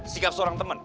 sikap seorang temen